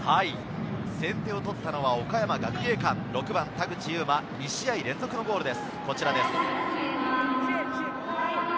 先手を取ったのは岡山学芸館、６番・田口裕真、２試合連続ゴールです。